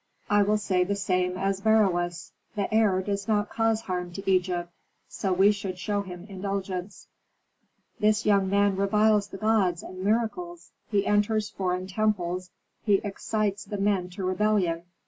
"I will say the same as Beroes: 'The heir does not cause harm to Egypt, so we should show him indulgence.'" "This young man reviles the gods and miracles; he enters foreign temples, he excites the men to rebellion.